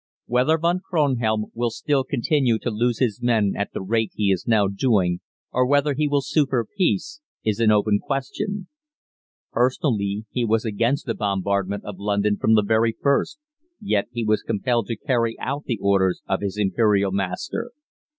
Whether Von Kronhelm will still continue to lose his men at the rate he is now doing, or whether he will sue for peace, is an open question. Personally, he was against the bombardment of London from the very first, yet he was compelled to carry out the orders of his Imperial master.